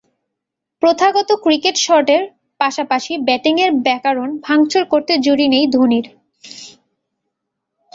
প্রথাগত ক্রিকেট শটের পাশাপাশি ব্যাটিংয়ের ব্যাকরণ ভাঙচুর করতে জুড়ি নেই ধোনির।